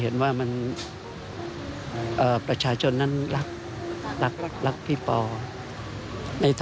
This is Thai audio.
เพราะฉะนั้นรักรักรักรักพี่ปอล์